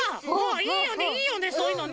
いいよねいいよねそういうのね！